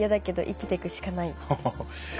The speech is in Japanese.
生きていくしかない。